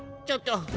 ちょっと！